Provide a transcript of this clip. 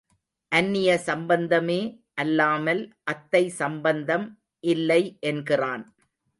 அன்னிய சம்பந்தமே அல்லாமல் அத்தை சம்பந்தம் இல்லை என்கிறான்.